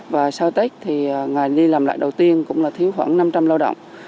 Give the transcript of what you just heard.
và sau tết thì ngày đi làm lại đầu tiên cũng là thiếu khoảng năm trăm linh lao động